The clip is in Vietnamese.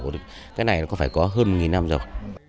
thì cái này có phải có hơn nghìn năm rồi